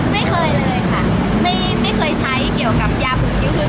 ไม่เคยเลยค่ะไม่เคยใช้เกี่ยวกับยาผูกคิ้วคือ